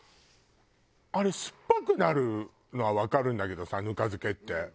あれ酸っぱくなるのはわかるんだけどさぬか漬けって。